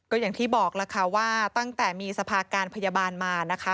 ก็อย่างที่บอกล่ะค่ะว่าตั้งแต่มีสภาการพยาบาลมานะคะ